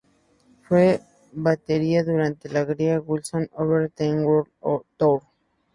Fue batería durante la gira "Wings Over the World Tour".